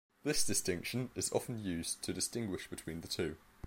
This distinction is often used to distinguish between the two.